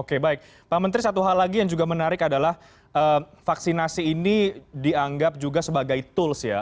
oke baik pak menteri satu hal lagi yang juga menarik adalah vaksinasi ini dianggap juga sebagai tools ya